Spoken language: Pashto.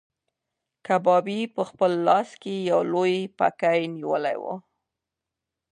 کبابي په خپل لاس کې یو لوی پکی نیولی و.